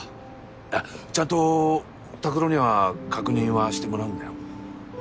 あちゃんと拓郎には確認はしてもらうんだよ。